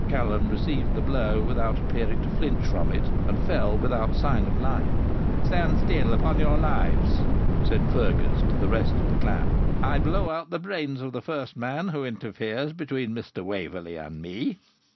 Callum received the blow without appearing to flinch from it, and fell without sign of life. 'Stand still, upon your lives!' said Fergus to the rest of the clan; 'I blow out the brains of the first man who interferes between Mr. Waverley and me.'